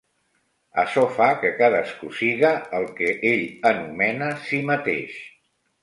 Açò fa que cadascú siga el que ell anomena si mateix.